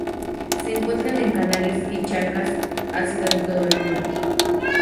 Se encuentran en canales y charcas ácidas de todo el mundo.